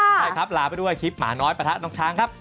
ใช่ครับลาไปด้วยคลิปหมาน้อยประทะน้องช้างครับ